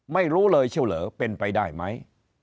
ไม่รู้เลยเชียวเหรอเป็นไปได้ไหม